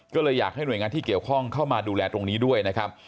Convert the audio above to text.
ก็เลยอยากให้หน่วยงานที่เกี่ยวข้องเข้ามาดูแลตรงนี้ด้วยนะครับ